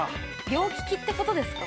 両利きってことですか？